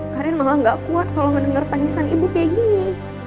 kalian malah gak kuat kalau mendengar tangisan ibu kayak gini